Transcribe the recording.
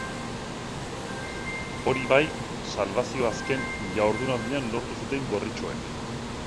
Hori bai, salbazioa azken jardunaldian lortu zuten gorritxoek.